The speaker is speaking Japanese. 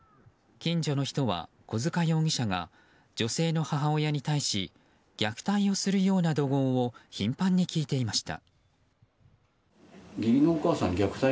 近所の人は、小塚容疑者が女性の母親に対し虐待をするような怒号を頻繁に聞いていました。